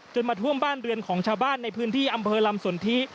มาท่วมบ้านเรือนของชาวบ้านในพื้นที่อำเภอลำสนทิ